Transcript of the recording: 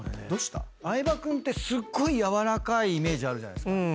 相葉君ってすっごい柔らかいイメージあるじゃないですか。